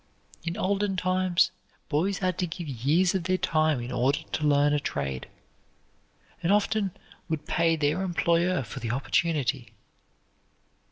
In olden times boys had to give years of their time in order to learn a trade, and often would pay their employer for the opportunity.